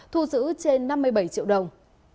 thu giữ trên năm mươi bảy triệu đồng